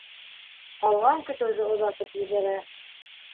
Ҡалған көтөүҙе оҙатып ебәрә.